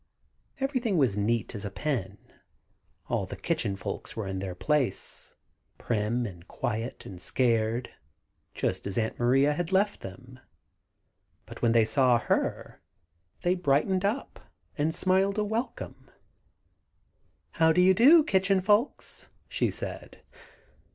"] Everything was as neat as a pin. All the Kitchen Folks were in their places, prim, and quiet, and scared, just as Aunt Maria had left them, but when they saw her they brightened up, and smiled a welcome. "How do you do, Kitchen Folks?" she said.